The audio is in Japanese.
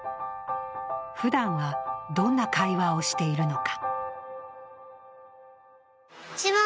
ふだんは、どんな会話をしているのか。